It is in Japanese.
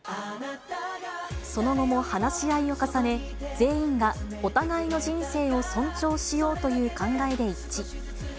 その後も話し合いを重ね、全員がお互いの人生を尊重しようという考えで一致。